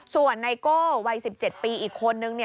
ส่วนไนโก้วัย๑๗ปีอีกคนนึง